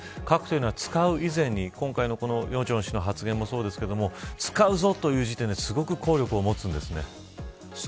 核は使う以前に、今回の与正氏の発言もそうですが使うぞという時点ですごく効力を持つんですね。